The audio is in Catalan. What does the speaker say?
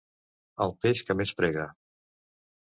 El peix que més prega.